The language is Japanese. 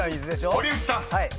［堀内さん］